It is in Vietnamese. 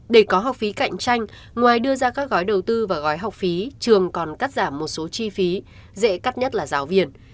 để có học phí cạnh tranh ngoài đưa ra các gói đầu tư và gói học phí trường còn cắt giảm một số chi phí dễ cắt nhất là giáo viên